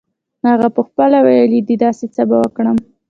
هغه پخپله ویلې دي داسې څه به وکړم.